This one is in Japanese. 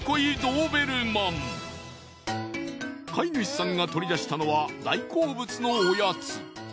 飼い主さんが取り出したのは大好物のおやつ。